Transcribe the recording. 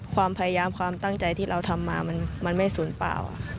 ความพยายามความตั้งใจที่เราทำมามันไม่สูญเปล่า